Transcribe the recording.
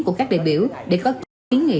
của các đại biểu để có ý nghĩa